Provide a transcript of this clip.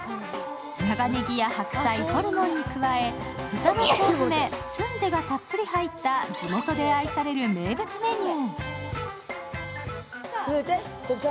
長ねぎや白菜、ホルモンに加えて豚の腸詰め、スンデがたっぷり入った地元で愛される名物メニュー。